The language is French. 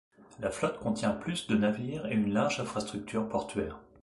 La flotte contient plus de navires et une large infrastructure portuaire.